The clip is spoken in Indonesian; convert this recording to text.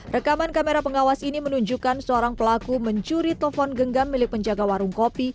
rekaman kamera pengawas ini menunjukkan seorang pelaku mencuri telepon genggam milik penjaga warung kopi